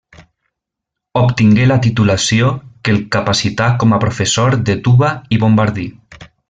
Obtingué la titulació que el capacità com a professor de tuba i bombardí.